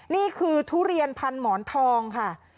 นี่คือทุเรียนพันหมอนทองค่ะ